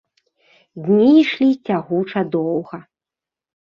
Дні ішлі цягуча доўга.